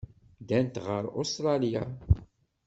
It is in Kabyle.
Ddant ɣer Ustṛalya.